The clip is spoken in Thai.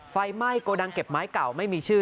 ไฟไหม้โกดังเก็บไม้เก่าไม่มีชื่อ